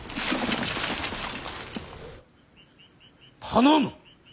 頼む。